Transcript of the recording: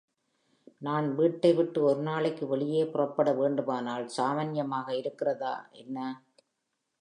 நான் வீட்டை விட்டு ஒரு நாளைக்கு வெளியே புறப்பட வேண்டுமானால் சாமான்யமாக இருக்கிறதா, என்ன?